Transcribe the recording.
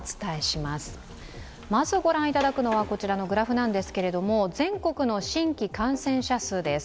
まず御覧いただくのはこちらのグラフなんですが全国の新規感染者数です。